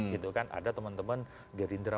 gitu kan ada temen temen gerindra